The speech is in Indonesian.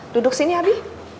duduk sini abi